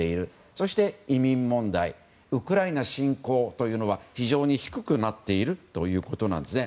そして移民問題ウクライナ侵攻というのは非常に低くなっているということなんですね。